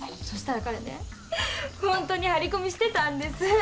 そしたら彼ねホントに張り込みしてたんです。